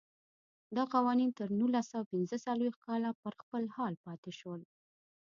دا قوانین تر نولس سوه پنځه څلوېښت کاله پر خپل حال پاتې شول.